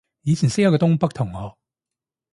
以前識過一個東北同學